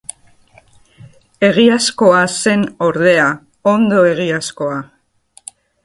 Egiazkoa zen ordea, ondo egiazkoa!